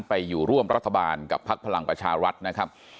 ไปอยู่ร่วมรัฐบาลกับพักพลังประชารัฐนะครับ